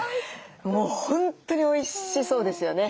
もう本当においしそうですよね。